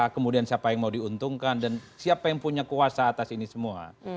kemudian siapa yang mau diuntungkan dan siapa yang punya kuasa atas ini semua